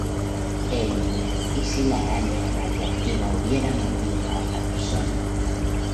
En ""¿Y si la araña radiactiva hubiera mordido a otra persona?